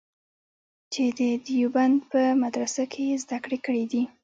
چې د دیوبند په مدرسه کې یې زده کړې کړې دي.